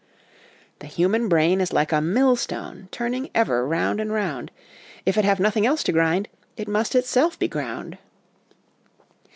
" The human (brain) is like a millstone, turning ever round and round ; If it have nothing else to grind, it must itself be ground."